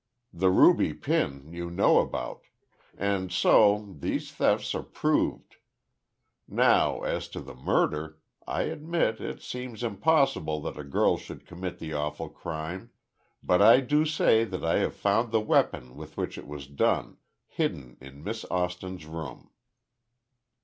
The ruby pin, you know about. And so, these thefts are proved. Now, as to the murder—I admit, it seems impossible that a girl should commit the awful crime—but I do say that I have found the weapon, with which it was done, hidden in Miss Austin's room."